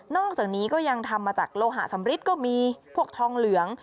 อกจากนี้ก็ยังทำมาจากโลหะสำริทก็มีพวกทองเหลือง